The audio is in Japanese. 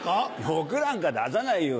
欲なんか出さないよ